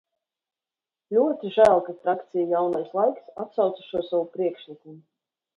"Ļoti žēl, ka frakcija "Jaunais laiks" atsauca šo savu priekšlikumu."